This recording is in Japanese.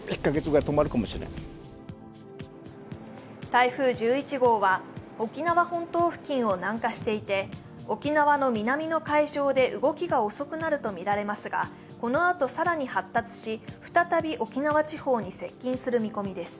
台風１１号は沖縄本島付近を南下していて、沖縄の南の海上で動きが遅くなるとみられますがこのあと更に発達し再び沖縄地方に接近する見込みです。